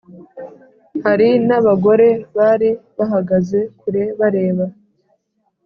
Hari n abagore bari bahagaze kure bareba